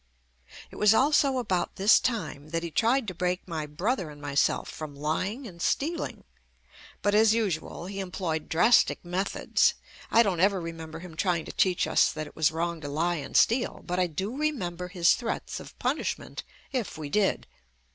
It was also about this time that he tried to break my brother and myself from ly ing and stealing, but, as usual, he employed drastic methods. I don't ever remember him trying to teach us that it was wrong to lie and steal, but I do remember his threats of punish ment if we did.